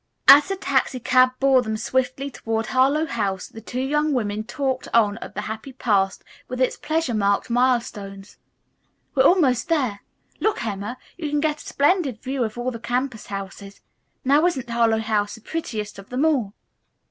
As the taxicab bore them swiftly toward Harlowe House the two young women talked on of the happy past with its pleasure marked milestones. "We're almost there. Look, Emma! You can get a splendid view of all the campus houses. Now isn't Harlowe House the prettiest of them all?"